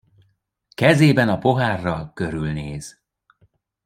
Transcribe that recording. Kezében a pohárral körülnéz.